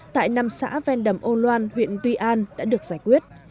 tổng đoàn huyện tuy an đã được giải quyết